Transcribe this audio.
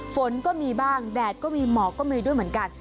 ฝนก็มีบ้างแดดก็มีหมอกก็มีด้วยเหมือนกัน